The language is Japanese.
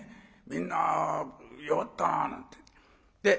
みんな弱ったなあなんて。